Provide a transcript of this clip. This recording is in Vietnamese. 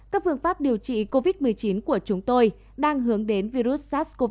các phương pháp điều trị covid một mươi chín của chúng tôi đang hướng đến virus sars cov hai